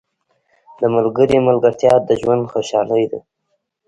• د ملګري ملګرتیا د ژوند خوشحالي ده.